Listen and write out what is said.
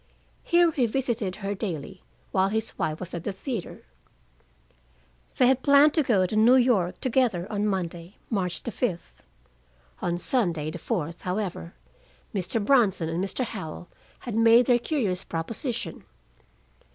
Here he had visited her daily, while his wife was at the theater. They had planned to go to New York together on Monday, March the fifth. On Sunday, the fourth, however, Mr. Bronson and Mr. Howell had made their curious proposition.